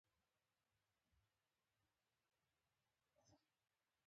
د انرژۍ او سوداګرۍ مرکز.